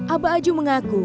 abah aju mengaku